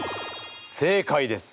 正解です。